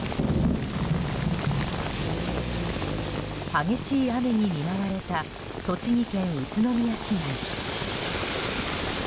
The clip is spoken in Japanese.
激しい雨に見舞われた栃木県宇都宮市内。